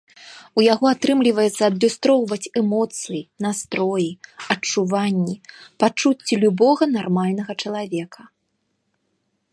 У яго атрымліваецца адлюстроўваць эмоцыі, настроі, адчуванні, пачуцці любога нармальнага чалавека.